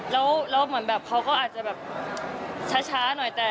แล้วเหมือนแบบเขาก็อาจจะแบบช้าหน่อยแต่